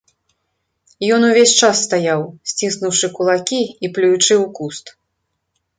Ён увесь час стаяў, сціснуўшы кулакі і плюючы ў куст.